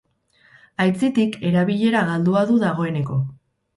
Aitzitik, erabilera galdua du dagoeneko.